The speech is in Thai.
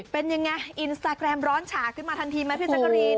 เป็นยังไงอินสตาแกรมร้อนฉากขึ้นมาทันทีไหมพี่แจ๊กกะรีน